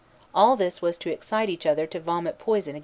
All this was to excite each other to vomit poison against us."